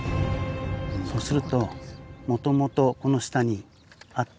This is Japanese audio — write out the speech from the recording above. そうするともともとこの下にあった砂が。